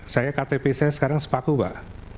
saya ktp saya sekarang sepaku pak